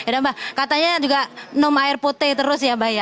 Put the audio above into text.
dan mbak katanya juga nom air putih terus ya mbak ya